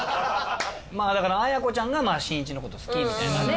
まぁだから綾子ちゃんがしんいちのこと好きみたいなね